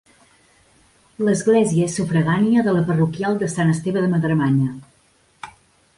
L'església és sufragània de la parroquial de Sant Esteve de Madremanya.